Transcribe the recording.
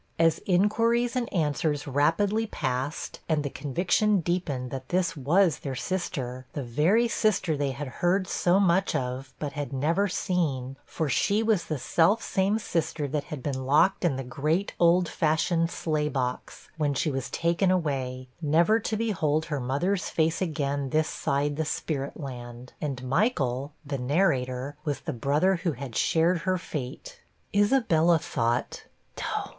As inquiries and answers rapidly passed, and the conviction deepened that this was their sister, the very sister they had heard so much of, but had never seen, (for she was the self same sister that had been locked in the great old fashioned sleigh box, when she was taken away, never to behold her mother's face again this side the spirit land, and Michael, the narrator, was the brother who had shared her fate,) Isabella thought, 'D h!